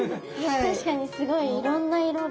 確かにすごいいろんな色が。